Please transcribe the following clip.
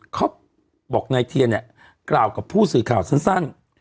เขาบอกนายเทียนเนี่ยกล่าวกับผู้สื่อข่าวสั้น